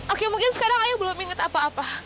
oke mungkin sekarang ayah belum inget apa apa